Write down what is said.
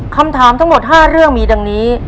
คำถามทั้งหมด๕เรื่องมีดังนี้